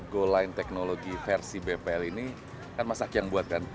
goal line teknologi versi bpl ini kan mas hakyang buat kan